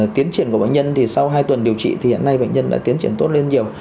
tiến triển của bệnh nhân thì sau hai tuần điều trị thì hiện nay bệnh nhân đã tiến triển tốt lên nhiều